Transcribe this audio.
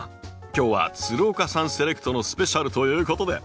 今日は岡さんセレクトのスペシャルということで。